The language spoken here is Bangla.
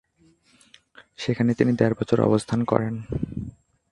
সেখানে তিনি দেড় বছর অবস্থান করেন।